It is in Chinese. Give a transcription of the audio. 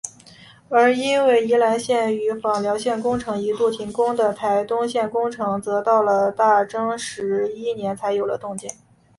而因为宜兰线与枋寮线工程一度停工的台东线工程则到了大正十一年才又有动静。